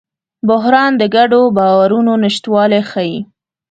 بحران د ګډو باورونو نشتوالی ښيي.